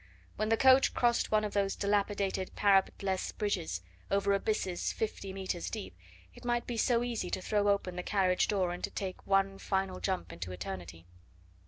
When the coach crossed one of those dilapidated, parapetless bridges, over abysses fifty metres deep, it might be so easy to throw open the carriage door and to take one final jump into eternity.